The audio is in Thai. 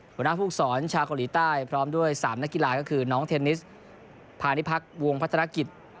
หัวหน้าภูมิสอนชาวเกาหลีใต้พร้อมด้วย๓นักกีฬาก็คือน้องเทนนิสพาณิพักษ์วงพัฒนกิจ